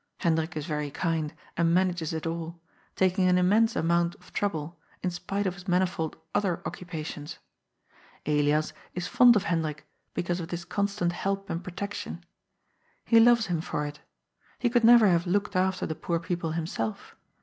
Hendrik is very kind, and manages it all, taking an immense amount of trouble, in spite of his manifold other occupations. Elias is fond of Hendrik because of this constant help and protec tion. He loves him for it. He could never have looked after the poor people himself.